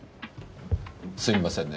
すいませんね。